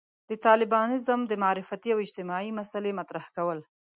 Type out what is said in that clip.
د طالبانيزم د معرفتي او اجتماعي مسألې مطرح کول.